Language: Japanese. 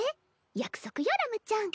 約束よラムちゃん。